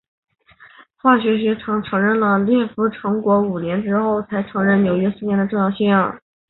化学学会在承认了门捷列夫的成果五年之后才承认纽兰兹的发现的重要性。